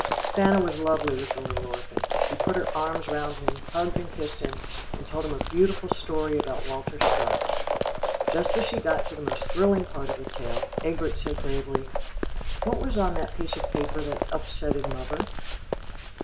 Stanna was lovely with the little orphan. She put her arms round him, hugged and kissed him, and told him a beautiful story about Walter Scott. Just as she got to the most thrilling part of her tale, Egbert said gravely, "What was on that piece of paper that upsetted muvver?"